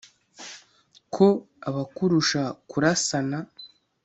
ko abakurusha kurasana